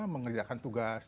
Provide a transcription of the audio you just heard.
untuk mengerjakan tugas